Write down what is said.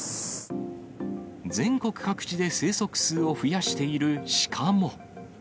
全国各地で生息数を増やしているシカも。